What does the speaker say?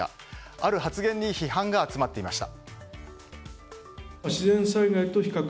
ある発言に批判が集まっていました。